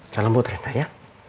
jalanku terima ya